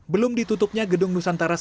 belum ditutupnya gedung nusantara ii